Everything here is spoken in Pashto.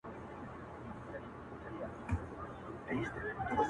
څنگه دي هېره كړمه~